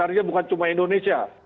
artinya bukan cuma indonesia